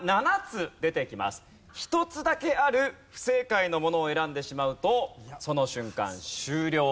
１つだけある不正解のものを選んでしまうとその瞬間終了。